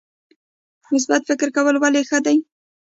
مثبت فکر کول ولې ښه دي؟